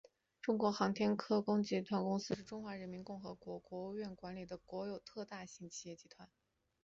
中国航天科工集团公司是中华人民共和国国务院管理的国有特大型企业集团。